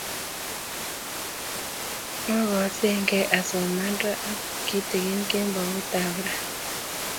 Magasegee asoman raa agot kitogin kemboutab raa